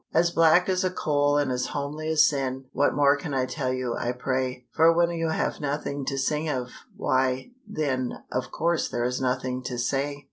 As black as a coal and as homely as sin What more can I tell you, I pray? For when you have nothing to sing of, why, then, Of course there is nothing to say.